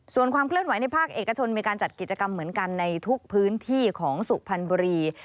ส่วนความเคลื่อนไหวในภาคเอกชนมีการจัดกิจกรรมเหมือนกันในทุกพื้นที่ของสุพรรณบุรี